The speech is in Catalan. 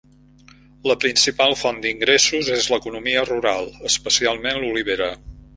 La principal font d'ingressos és l'economia rural, especialment l'olivera.